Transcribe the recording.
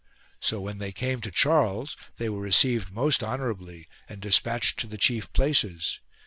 So when they came to Charles they were received most honourably and despatched to the chief places.